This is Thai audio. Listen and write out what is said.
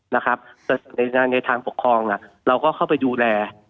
แต่ในทางปกครองเราก็เข้าไปดูแล